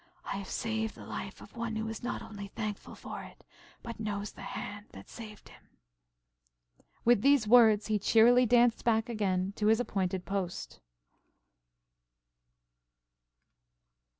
I have saved the life of one who not only is thankful for it, but knows the hand that saved him." With these words he cheerily danced back again to his appointed post.